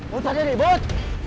putar jadi but